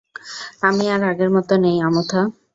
আমি আর আগের মতো নেই, আমুথা।